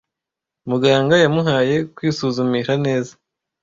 Muganga yamuhaye kwisuzumisha neza.